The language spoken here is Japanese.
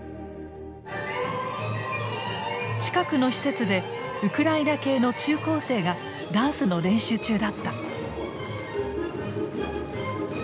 近くの施設でウクライナ系の中高生がダンスの練習中だった。